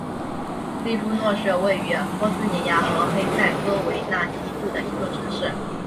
利夫诺是位于波斯尼亚和黑塞哥维纳西部的一座城市。